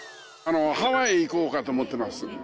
ハワイ行こうかと思ってます。